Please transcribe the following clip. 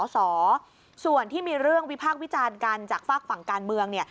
สอส่วนที่มีเรื่องวิพากษ์วิจารณ์กันจากฝากฝั่งการเมืองเนี่ย